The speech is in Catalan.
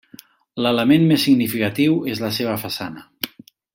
L'element més significatiu és la seva façana.